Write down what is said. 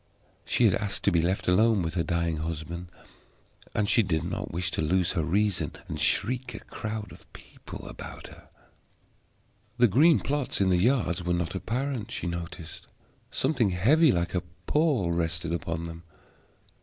She had asked to be left alone with her dying husband, and she did not wish to lose her reason and shriek a crowd of people about her. The green plots in the yards were not apparent, she noticed. Something heavy, like a pall, rested upon them.